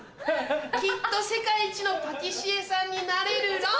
きっと世界一のパティシエさんになれるロン！